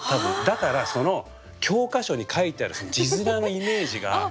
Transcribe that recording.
だからその教科書に書いてある字面のイメージが。